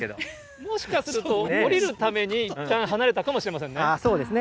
もしかすると降りるためにいったん離れたかもしれませんね。